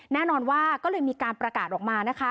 แน่นอนว่าก็เลยมีการประกาศออกมานะคะ